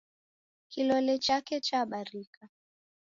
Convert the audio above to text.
Kilole chake chabarika.